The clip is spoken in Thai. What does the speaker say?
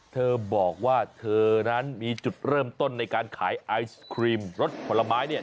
เธอบอกว่าเธอนั้นมีจุดเริ่มต้นในการขายไอศครีมรสผลไม้เนี่ย